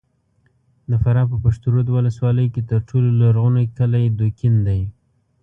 د فراه په پشترود ولسوالۍ کې تر ټولو لرغونی کلی دوکین دی!